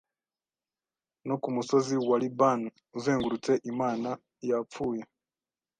No kumusozi wa Libani uzengurutse imana zapfuye